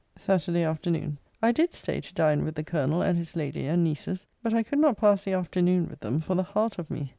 SATURDAY AFTERNOON. I did stay to dine with the Colonel, and his lady, and nieces: but I could not pass the afternoon with them, for the heart of me.